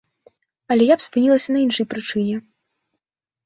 Але я б спынілася на іншай прычыне.